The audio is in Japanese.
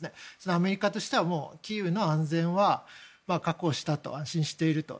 アメリカとしてはキーウの安全は確保したと安心していると。